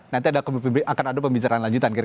nanti akan ada pembicaraan lanjutan